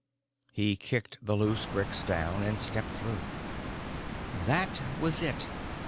He kicked the loose bricks down and stepped through. That was it.